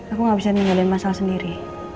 aku gak bisa ninggalin masalah sendiri